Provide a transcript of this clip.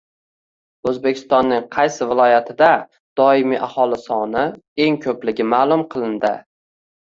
O‘zbekistonning qaysi viloyatida doimiy aholi soni eng ko‘pligi ma’lum qilindi